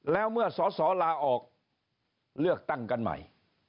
แล้วเมื่อสอสอลาออกเลือกตั้งกันใหม่